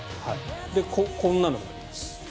こんなのもあります。